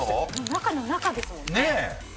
中の中ですもんね。